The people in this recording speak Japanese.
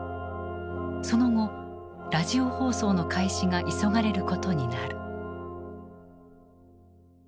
その後ラジオ放送の開始が急がれることになる。